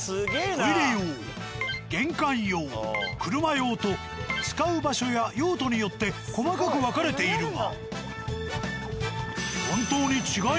トイレ用玄関用クルマ用と使う場所や用途によって細かく分かれているが。